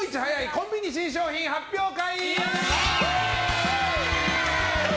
コンビニ新商品発表会！